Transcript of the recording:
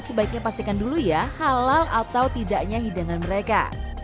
sebaiknya pastikan dulu ya halal atau tidaknya hidangan mereka